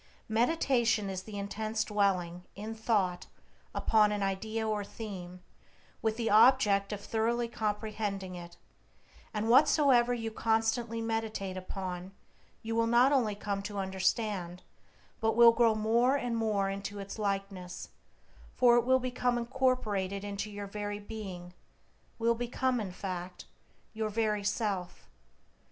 Meditation is the intense dwelling, in thought, upon an idea or theme, with the object of thoroughly comprehending it, and whatsoever you constantly meditate upon you will not only come to understand, but will grow more and more into its likeness, for it will become incorporated into your very being, will become, in fact, your very self.